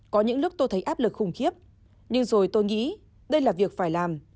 có những lúc tôi thấy áp lực khủng khiếp nhưng rồi tôi nghĩ đây là việc phải làm